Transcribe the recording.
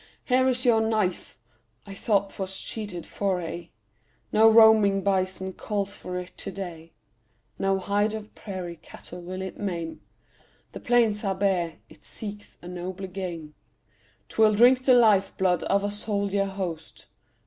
Here is your knife! I thought 'twas sheathed for aye. No roaming bison calls for it to day; No hide of prairie cattle will it maim; The plains are bare, it seeks a nobler game: 'Twill drink the life blood of a soldier host.